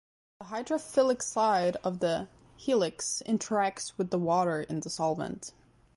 The hydrophilic side of the helix interacts with the water in the solvent.